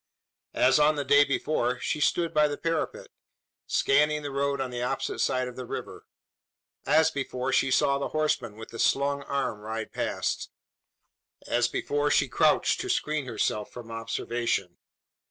As on the day before, she stood by the parapet scanning the road on the opposite side of the river; as before, she saw the horseman with the slung arm ride past; as before, she crouched to screen herself from observation.